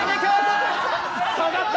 下がった？